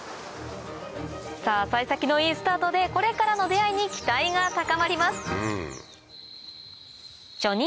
さぁ幸先のいいスタートでこれからの出合いに期待が高まります